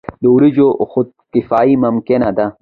د وریجو خودکفايي ممکنه ده.